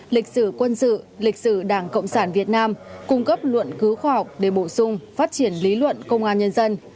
lịch sử quân sự lịch sử đảng cộng sản việt nam cung cấp luận cứu khoa học để bổ sung phát triển lý luận công an nhân dân